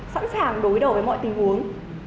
sẵn sàng đối đầu với mọi tình huống